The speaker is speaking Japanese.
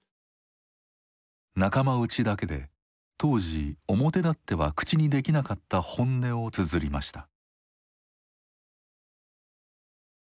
仲間内だけで当時表だっては口にできなかった本音をつづりました。